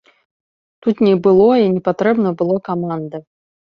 Тут не было і не патрэбна было каманды.